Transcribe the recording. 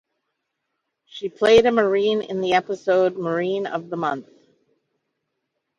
She played a Marine in the episode "Marine of the Month".